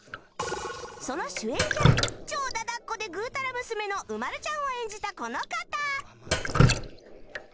その主演キャラ超だだっ子でグータラ娘のうまるちゃんを演じたこの方